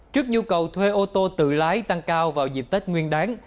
trước nhu cầu thuê ô tô tự lái tăng cao vào dịp tết nguyên đáng